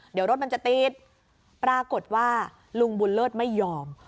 เดี๋ยวรถมันจะติดปรากฏว่าลุงบุญเลิศไม่ยอม